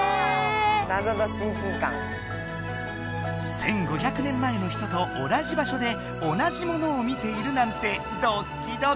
１，５００年前の人と同じ場しょで同じものを見ているなんてドッキドキ！